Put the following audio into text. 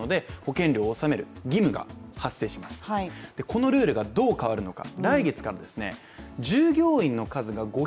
このルールがどう変わるのか。